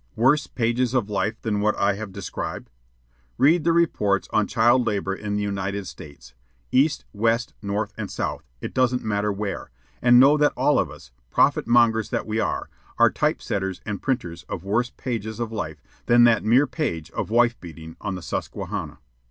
Worse pages of life than what I have described? Read the reports on child labor in the United States, east, west, north, and south, it doesn't matter where, and know that all of us, profit mongers that we are, are typesetters and printers of worse pages of life than that mere page of wife beating on the Susquehanna.